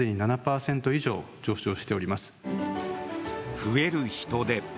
増える人出。